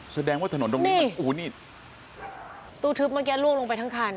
แสดงว่าถนนตรงนี้มันโอ้โหนี่ตู้ทึบเมื่อกี้ลวกลงไปทั้งคัน